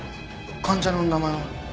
患者の名前は？